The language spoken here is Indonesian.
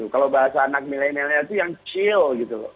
kalau bahasa anak milenialnya itu yang chill